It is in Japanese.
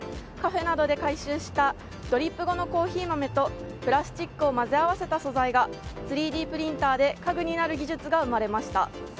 カフェなどで回収したドリップ後のコーヒー豆とプラスチックを混ぜ合わせた素材が３Ｄプリンターで家具になる技術が生まれました。